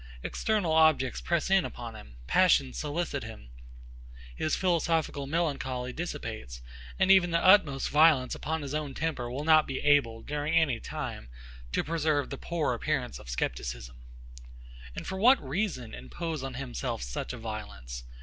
External objects press in upon him; passions solicit him; his philosophical melancholy dissipates; and even the utmost violence upon his own temper will not be able, during any time, to preserve the poor appearance of scepticism. And for what reason impose on himself such a violence?